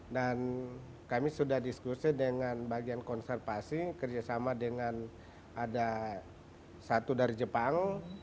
dan kami sudah diskusi dengan bagian konservasi kerjasama dengan ada satu dari jepang